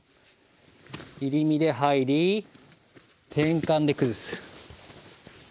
入り身で入り転換で崩す。